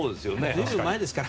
随分前ですから。